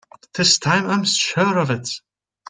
This time I'm sure of it!